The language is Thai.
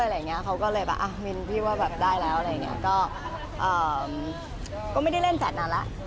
และก็คิดถึงบทนะคะแฝดเหมือนกัน